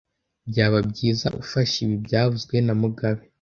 Byaba byiza ufashe ibi byavuzwe na mugabe